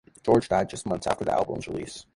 George died just months after the album's release.